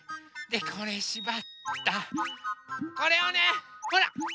でこれしばったこれをねほら！